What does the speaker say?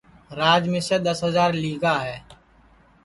راج مِسیں دؔس ہجار لی گا ہے